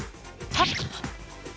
はっ。